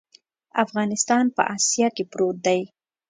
افغانستان په اسیا کې پروت دی.